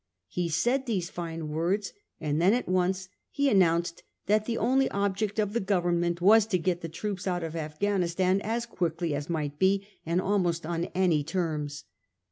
He said these fine words, and then at once he an nounced that the only object of the Government was to get the troops out of Afghanistan as quickly as might.be, and almost on any terms.